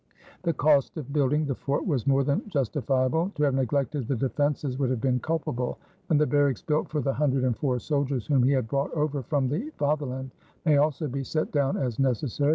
The cost of building the fort was more than justifiable. To have neglected the defenses would have been culpable; and the barracks built for the hundred and four soldiers whom he had brought over from the Fatherland may also be set down as necessary.